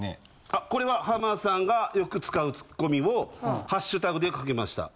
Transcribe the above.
あこれは浜田さんがよく使うツッコミをハッシュタグで書きました。